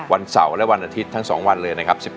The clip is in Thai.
วันเสาร์และวันอาทิตย์ทั้ง๒วันเลยนะครับ